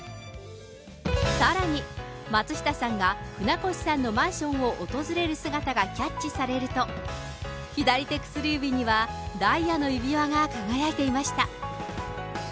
さらに、松下さんが船越さんのマンションを訪れる姿がキャッチされると、左手薬指にはダイヤの指輪が輝いていました。